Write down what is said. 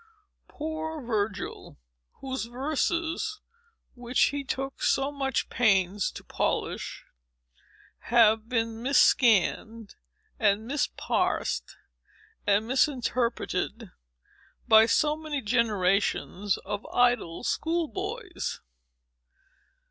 Poor Virgil, whose verses, which he took so much pains to polish, have been mis scanned, and mis parsed, and mis interpreted, by so many generations of idle school boys!